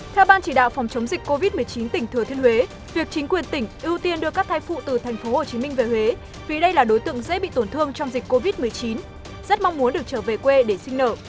theo ban chỉ đạo phòng chống dịch covid một mươi chín tỉnh thừa thiên huế việc chính quyền tỉnh ưu tiên đưa các thai phụ từ tp hcm về huế vì đây là đối tượng dễ bị tổn thương trong dịch covid một mươi chín rất mong muốn được trở về quê để sinh nợ